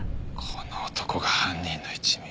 この男が犯人の一味。